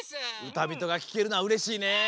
「詠人」がきけるのはうれしいね。